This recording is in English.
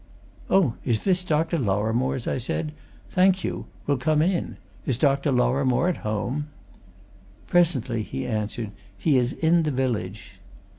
"Oh, is this Dr. Lorrimore's?" I said. "Thank you we'll come in. Is Dr. Lorrimore at home?" "Presently," he answered. "He is in the village."